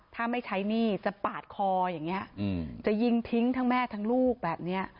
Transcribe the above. ถ้าไม่ใช้หนี้จะปาดคออย่างนี้จะยิงทิ้งทั้งแม่ทั้งลูกแบบนี้